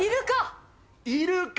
イルカ。